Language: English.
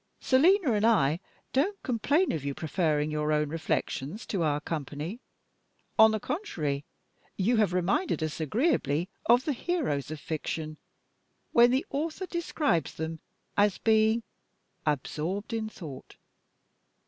Selina and I don't complain of your preferring your own reflections to our company. On the contrary, you have reminded us agreeably of the heroes of fiction, when the author describes them as being 'absorbed in thought.